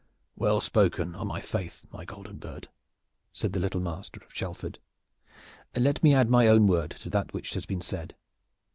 "Well spoken, on my faith, my golden bird!" said the little master of Shalford. "Let me add my own word to that which has been said.